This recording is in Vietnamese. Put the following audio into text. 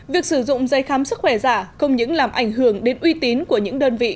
việc sử dụng dây khám sức khỏe giả không những làm ảnh hưởng đến uy tín của những đơn vị